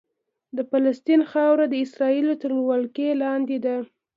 د فلسطین خاوره د اسرائیلو تر ولکې لاندې ده.